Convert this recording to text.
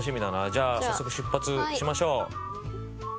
じゃあ早速出発しましょう。